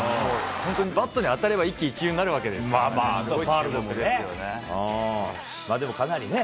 本当にバットに当たれば一喜一憂になるわけですからね。